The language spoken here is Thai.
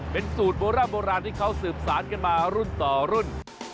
เป็นสูตรโบราณโบราณที่เขาสืบสารกันมารุ่นต่อรุ่น